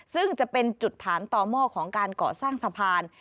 ซึ่งจะเป็นจุดฐานต่อหม้อของการก่อสร้างสะพาน